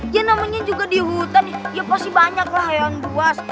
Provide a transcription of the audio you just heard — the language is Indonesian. ya namanya juga di hutan ya pasti banyaklah hewan buas